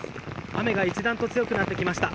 雨が一段と強くなってきました。